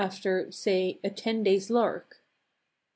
After, say, a ten days' lark.